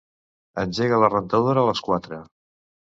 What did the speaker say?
Engega la rentadora a les quatre.